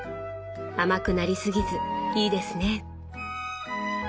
甘くなりすぎずいいですね。